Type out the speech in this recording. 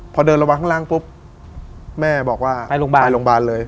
พอเดินล้างบางกันแม่บอกว่าไปโรงพยาบาลเลย